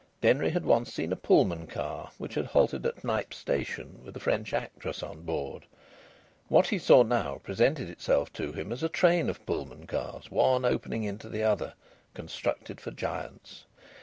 Denry had once seen a Pullman car, which had halted at Knype Station with a French actress on board. What he saw now presented itself to him as a train of Pullman cars, one opening into the other, constructed for giants.